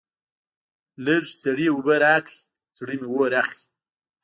لږ سړې اوبه راکړئ؛ زړه مې اور اخلي.